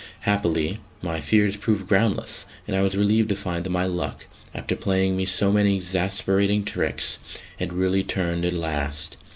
Happily my fears proved groundless, and I was relieved to find that my luck after playing me so many exasperating tricks had really turned at last.